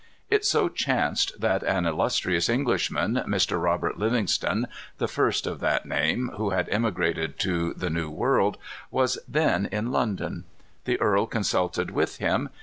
It so chanced that an illustrious Englishman, Mr. Robert Livingston, the first of that name who had emigrated to the New World, was then in London. The earl consulted with him.